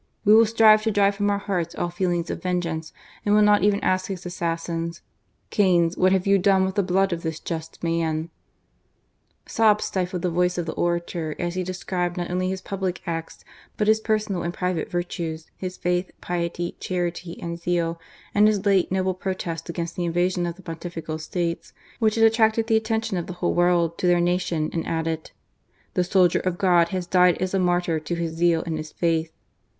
We will strive to drive from our hearts all feelings of vengeance, and will not even ask his assassins: Cains, what have you done with the blood of this just man ?" Sobs stifled the voice of the orator as he described not only his public acts, but his personal and private X Dean of the Cathedral of Riobamba and Senator. U GARCIA MORENO. virtues, his faith, piety, charity, and zeal, and his Jate noble protest against the invasion of the Pon tifical States, which had attracted the attention of the whole world to their nation, and added :" The soldier of God has died as a martyr to his zeal and his faith."